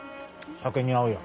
酒に合うよ。